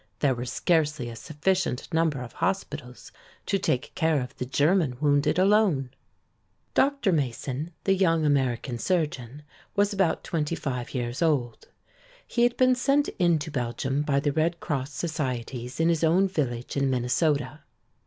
There were scarcely a sufficient number of hospitals to take care of the German wounded alone. Dr. Mason, the young American surgeon, was about twenty five years old. He had been sent into Belgium by the Red Cross societies in his own village in Minnesota.